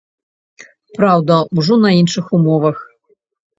Праўда, ужо на іншых умовах.